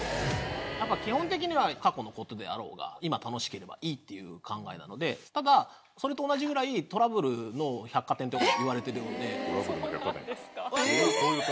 やっぱ基本的には過去のことであろうが今楽しければいいっていう考えなのでただそれと同じぐらいといわれてるのでそうなんですか？